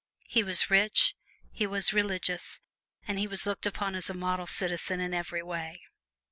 He was rich, he was religious, and he was looked upon as a model citizen in every way.